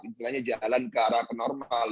istilahnya jalan ke arah ke normal